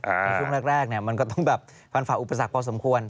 ในช่วงแรกมันก็ต้องแบบฟันฝ่าอุปสรรคพอสมควร